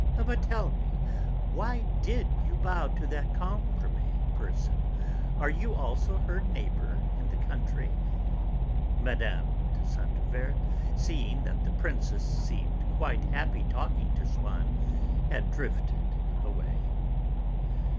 But tell me, why did you bow to that Cambremer person, are you also her neighbour in the country?" Mme. de Saint Euverte, seeing that the Princess seemed quite happy talking to Swann, had drifted away.